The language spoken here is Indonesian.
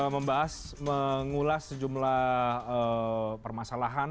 membahas mengulas sejumlah permasalahan